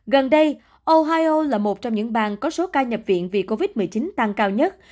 gần đây ohio là một trong những bang có số ca nhập viện vì covid một mươi chín tăng cao nhất